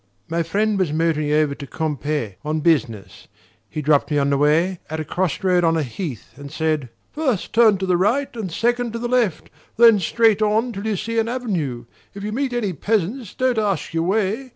My friend was motoring over to Quimper on business: he dropped me on the way, at a cross road on a heath, and said: "First turn to the right and second to the left. Then straight ahead till you see an avenue. If you meet any peasants, don't ask your way.